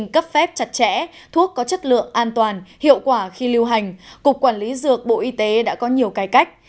chất lượng an toàn hiệu quả khi lưu hành cục quản lý dược bộ y tế đã có nhiều cải cách